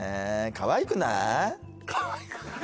かわいくなーい？